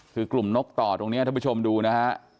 คือกลุ่มนกต่อตรงนี้ท่านผู้ชมดูนะฮะ